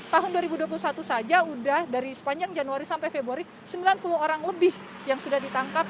tahun dua ribu dua puluh satu saja sudah dari sepanjang januari sampai februari sembilan puluh orang lebih yang sudah ditangkap